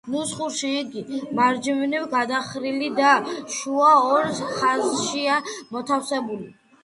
ნუსხურში იგი მარჯვნივ გადახრილი და შუა ორ ხაზშია მოთავსებული.